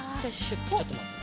ちょっとまってね。